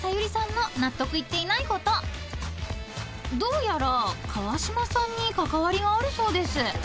［どうやら川島さんに関わりがあるそうです］